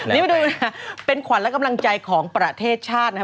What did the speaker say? นี่มาดูนะเป็นขวัญและกำลังใจของประเทศชาตินะครับ